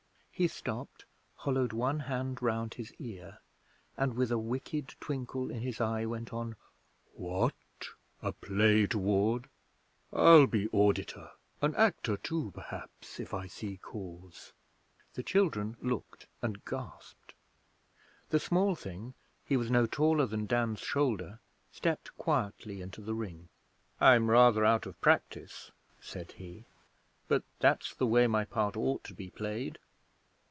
He stopped, hollowed one hand round his ear, and, with a wicked twinkle in his eye, went on: 'What, a play toward? I'll be auditor; An actor, too, perhaps, if I see cause.' The children looked and gasped. The small thing he was no taller than Dan's shoulder stepped quietly into the Ring. 'I'm rather out of practice,' said he; 'but that's the way my part ought to be played.'